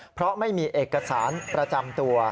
เพราะไม่มีเอกสารประจำตัว